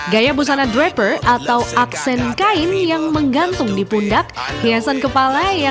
gaya busana dragnya berkonsep era tahun dua puluh an